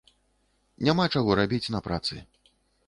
Няма чаго рабіць на працы.